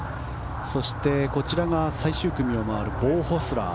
そしてこちらが最終組を回るボウ・ホスラー。